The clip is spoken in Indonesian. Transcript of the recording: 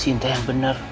sinta yang bener